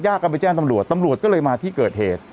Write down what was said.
ไปแจ้งตำรวจตำรวจก็เลยมาที่เกิดเหตุ